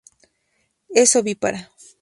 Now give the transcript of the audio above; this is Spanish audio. Es ovípara.